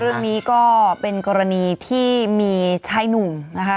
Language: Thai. เรื่องนี้ก็เป็นกรณีที่มีชายหนุ่มนะคะ